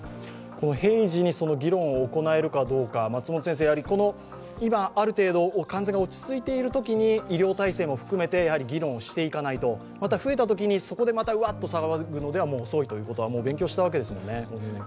平時にその議論を行えるかどうか、今、ある程度感染が落ち着いているときに医療体制も含めて議論していかないと、増えたときにそこでうわっと騒ぐのでは遅いというのを勉強したわけですもんね。